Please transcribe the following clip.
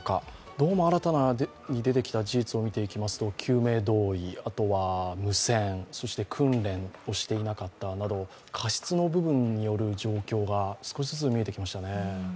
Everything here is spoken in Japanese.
どうも新たに出てきた事実を見ていきますと救命胴衣、あとは無線、そして訓練をしていなかったなど、過失の部分による状況が少しずつ見えてきましたね。